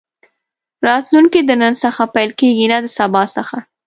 راتلونکی د نن څخه پيل کېږي نه د سبا څخه.